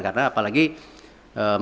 karena apalagi matematika